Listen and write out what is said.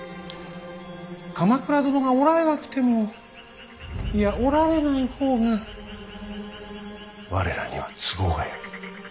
鎌倉殿がおられなくてもいやおられない方が我らには都合がよい。